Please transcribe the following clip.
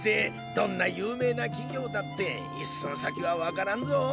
どんな有名な企業だって一寸先はわからんぞぉ。